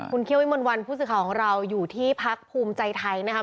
คุณเคี่ยววิมลวันผู้สื่อข่าวของเราอยู่ที่พักภูมิใจไทยนะครับ